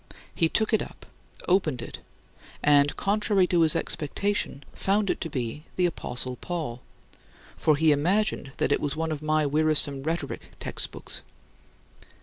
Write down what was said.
He took it up, opened it, and, contrary to his expectation, found it to be the apostle Paul, for he imagined that it was one of my wearisome rhetoric textbooks.